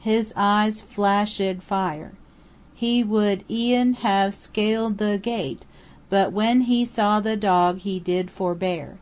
His eyes flash ed fire. He would e'en have scal ed the gate, but when he saw the dog he did forbear.